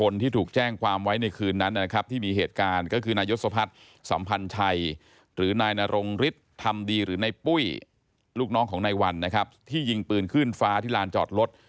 ลูกในปุ้ยลูกน้องของนายวันนะครับที่ยิงปืนขึ้นฟ้าที่ลานจอดรถ